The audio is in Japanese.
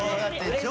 今日。